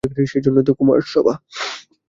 সেইজন্যেই তো কুমারসভা।